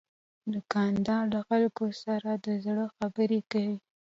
دوکاندار له خلکو سره د زړه خبرې کوي.